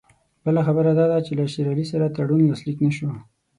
بله خبره دا ده چې له شېر علي سره تړون لاسلیک نه شو.